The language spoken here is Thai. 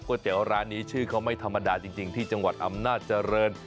เตี๋ยวร้านนี้ชื่อเขาไม่ธรรมดาจริงที่จังหวัดอำนาจเจริญ